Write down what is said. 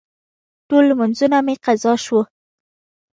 ټول لمونځونه مې قضا شوه.